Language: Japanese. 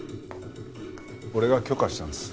俺が許可したんです。